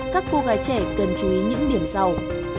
các cô gái trẻ cần chú ý những điểm sau